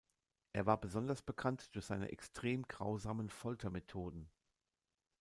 Er war besonders bekannt durch seine extrem grausamen Foltermethoden.